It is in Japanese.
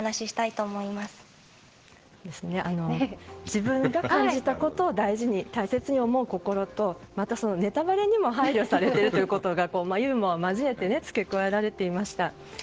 自分が感じたことを大事に大切に思う心とまた、ネタばれにも配慮されているということがユーモアを交えて付け加えられていました。